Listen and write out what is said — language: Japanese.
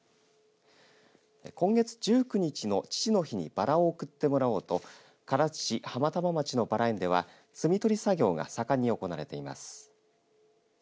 今月１９日の父の日にバラを贈ってもらおうと唐津市浜玉町のバラ園では摘み取り作業が盛んに行われています。